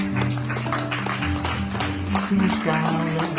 ดีจริง